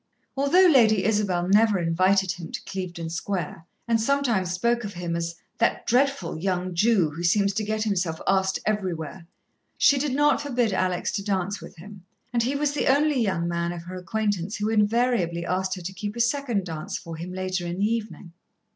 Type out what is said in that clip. Although Lady Isabel never invited him to Clevedon Square, and sometimes spoke of him as "that dreadful young Jew who seems to get himself asked everywhere," she did not forbid Alex to dance with him, and he was the only young man of her acquaintance who invariably asked her to keep a second dance for him later in the evening.